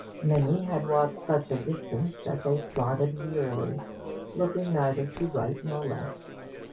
Many had walked such a distance that they plodded wearily, looking neither to right nor left.